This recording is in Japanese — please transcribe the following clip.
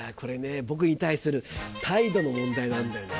僕に対する態度の問題なんだよね。